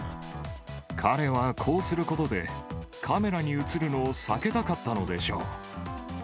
彼はこうすることで、カメラに写るのを避けたかったのでしょう。